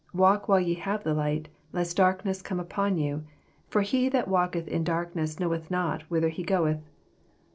Walk while ye have the light, lest darkness come upon yon; for he that walketh in darkness knoweth not whither he goeth.